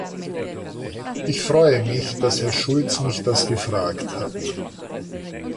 Ich freue mich, dass Herr Schulz mich das gefragt hat.